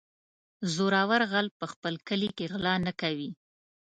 زورور غل په خپل کلي کې غلا نه کوي.